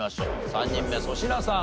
３人目粗品さん